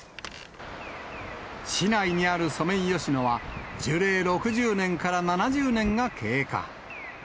市内にあるソメイヨシノは、樹齢６０年から７０年が経過。